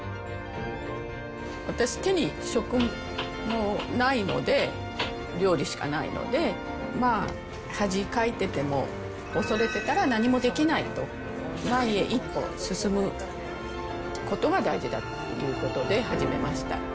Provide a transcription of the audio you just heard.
私、手に職もないので、料理しかないので、まあ、恥かいてても、恐れてたら何もできないと、前へ一歩進むことが大事だということで始めました。